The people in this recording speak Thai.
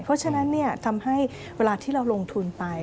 เพราะฉะนั้นทำให้เวลาที่เราลงทุนไป